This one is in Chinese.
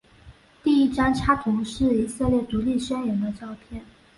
第一张插图是以色列独立宣言的照片。